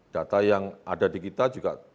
data yang ada di kita juga